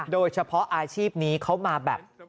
โดยเฉพาะอาชีพนี้เขามาแบบ